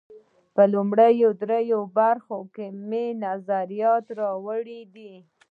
په لومړیو درېیو برخو کې مې نظریات راوړي دي.